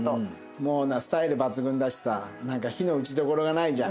もうスタイル抜群だしさなんか非の打ちどころがないじゃん。